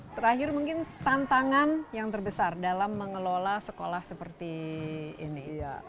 terakhir mungkin tantangan yang terbesar dalam mengelola sekolah seperti ini